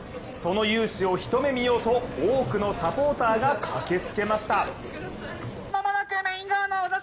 その雄姿をひと目見ようと多くのサポーターが駆けつけました。